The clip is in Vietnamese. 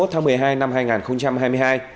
ba mươi một tháng một mươi hai năm hai nghìn hai mươi hai